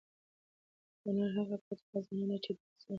هنر هغه پټه خزانه ده چې د انسان په باطن کې نغښتې وي.